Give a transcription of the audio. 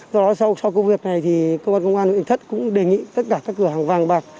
do đó sau cuộc việc này công an huyện thất cũng đề nghị tất cả các cửa hàng vàng bạc